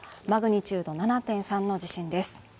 マグニチュード７．３の地震です。